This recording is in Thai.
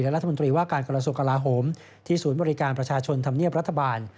รัฐมนตรีว่าการกระทรวงกลาโหมที่ศูนย์บริการประชาชนธรรมเนียบรัฐบาล